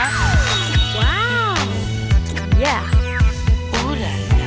ว้าว